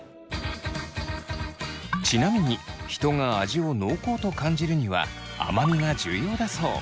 ちなみに人が味を濃厚と感じるには甘味が重要だそう。